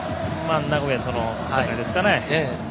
名古屋との戦いですね。